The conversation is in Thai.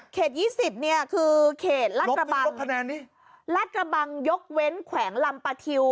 ยี่สิบเนี่ยคือเขตลาดกระบังลาดกระบังยกเว้นแขวงลำปะทิว